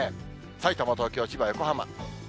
さいたま、東京、千葉、横浜。